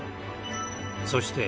そして